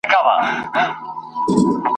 د ریشتیا پر میدان ټوله دروغجن یو !.